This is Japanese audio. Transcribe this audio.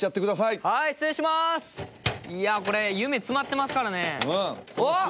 いやこれ夢詰まってますからねうわっ！